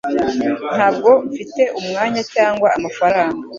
Ntabwo mfite umwanya cyangwa amafaranga